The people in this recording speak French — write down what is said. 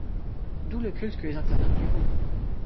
D’où le culte que les internautes lui vouent.